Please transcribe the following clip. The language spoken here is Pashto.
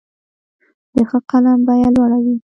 د ښه قلم بیه لوړه وي.